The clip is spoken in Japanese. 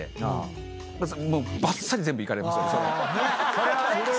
それはね。